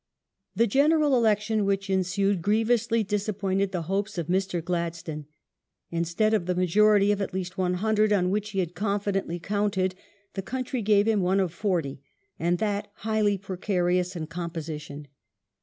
The General Election which ensued grievously disappointed the Mr. Glad hopes of Mr. Gladstone. Instead of the majority of at least 100 p^^^^^ on which he had confidently counted, the country gave him one of Ministry forty, and that highly precarious in composition.